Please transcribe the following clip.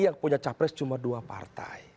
yang punya capres cuma dua partai